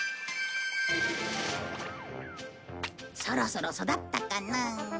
そろそろ育ったかな。